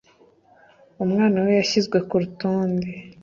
Umwana we Yashyizwe ku rutonde